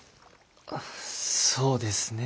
そうですねえ。